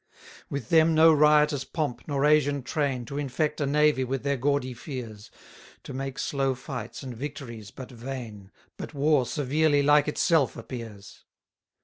52 With them no riotous pomp, nor Asian train, To infect a navy with their gaudy fears; To make slow fights, and victories but vain: But war severely like itself appears.